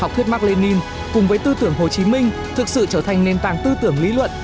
học thuyết mark lenin cùng với tư tưởng hồ chí minh thực sự trở thành nền tảng tư tưởng lý luận